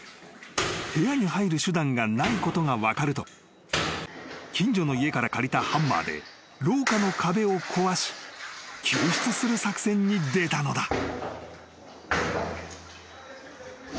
［部屋に入る手段がないことが分かると近所の家から借りたハンマーで廊下の壁を壊し救出する作戦に出たのだ］